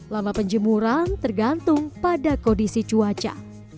lama penjemuran tergantung pada kondisi cuaca